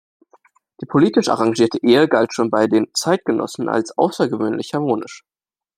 Die politisch arrangierte Ehe galt schon bei den Zeitgenossen als außergewöhnlich harmonisch.